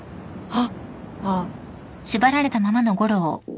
あっ。